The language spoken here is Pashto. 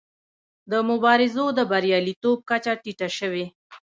د مبارزو د بریالیتوب کچه ټیټه شوې.